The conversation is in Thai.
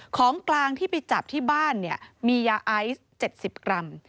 ของกลางที่ไปจับที่บ้านเนี่ยมียาไอซ์๗๐กรัม